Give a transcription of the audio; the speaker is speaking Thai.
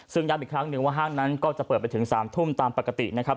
ซึ่งย้ำอีกครั้งหนึ่งว่าห้างนั้นก็จะเปิดไปถึง๓ทุ่มตามปกตินะครับ